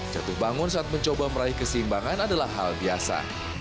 jatuh bangun saat mencoba meraih keseimbangan adalah hal biasa